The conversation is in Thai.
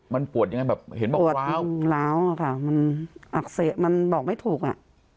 มันปวดยังไงแบบเห็นบอกปวดล้าวอะค่ะมันอักเสบมันบอกไม่ถูกอ่ะ